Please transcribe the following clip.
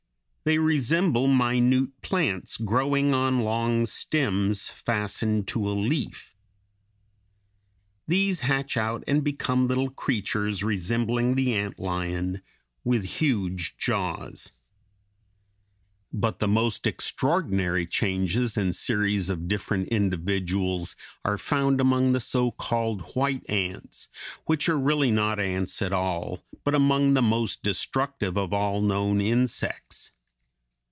They resemble minute plants growing on long stems, fastened to a leaf. These hatch out and become little creatures resembling the ant lion, with huge jaws. But the most extraordinary changes and series of different individuals are found among the so called white ants, which are really not ants at all, but among the most destructive of all known insects.